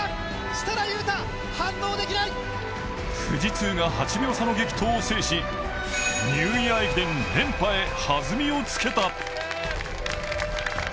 富士通が８秒差の激闘を制し、ニューイヤー駅伝連覇へ弾みをつけた。